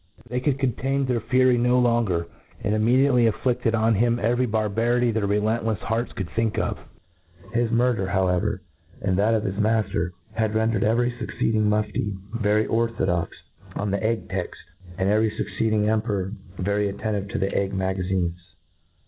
*' They could con tain I N T R O D U C T I O N. ' 105 lam their fury no longer, and immediately infliQ:* td on him every barbarity their relentlels hearts tould think of* His murder, however, and that of his mailer, has rendered every fucceeding Mufti very orthodox on the egg*text, and every fucceeding emperor very attentive to the egg ma gazines.